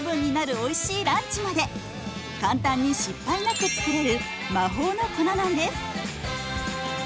おいしいランチまで簡単に失敗なく作れる魔法の粉なんです。